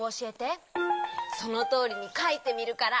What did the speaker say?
そのとおりにかいてみるから。